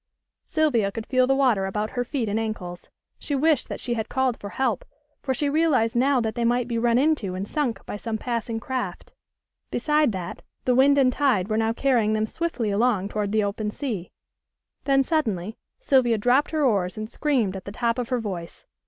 Sylvia could feel the water about her feet and ankles. She wished that she had called for help, for she realized now that they might be run into and sunk by some passing craft. Beside that the wind and tide were now carrying them swiftly along toward the open sea. Then, suddenly, Sylvia dropped her oars and screamed at the top of her voice.